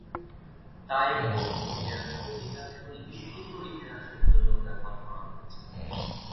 তায়েগুক কোরিয়ার অধিকাংশ লিখিত ইতিহাসের জন্য ব্যবহার করা হয়েছে।